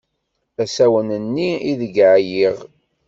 Asawen-nni ideg ɛyiɣ.